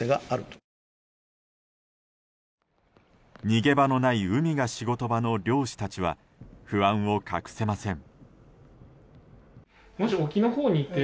逃げ場のない海が仕事場の漁師たちは不安を隠せません。